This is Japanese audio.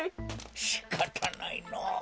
しかたないのぉ。